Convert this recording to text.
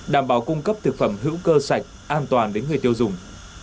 đảm bảo cung cấp thực phẩm hữu cơ sạch an toàn đến người tiêu dùng